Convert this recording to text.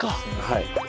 はい。